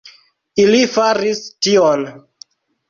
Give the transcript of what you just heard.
Ili faris tion!